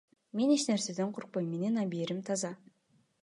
Мен эч нерседен коркпойм, менин абийирим таза.